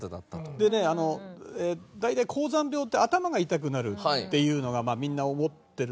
でねあの大体高山病って頭が痛くなるっていうのがみんな思ってるんだけど。